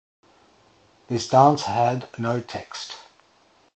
This dance had no text.